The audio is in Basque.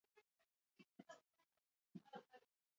Azalpenekin batera iritziak nahaste ohikoa da.